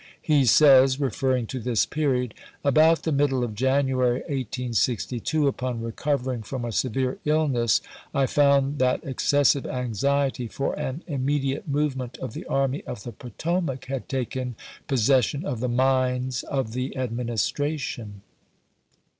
He says, referring to this period : "About the middle of January, 1862, upon recovering from a severe illness, I found that ex cessive anxiety for an immediate movement of the Army of the Potomac had taken possession of the minds of the Administration."